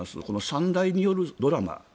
この３代によるドラマ。